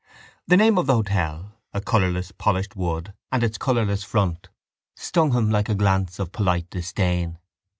The name of the hotel, a colourless polished wood, and its colourless front stung him like a glance of polite disdain.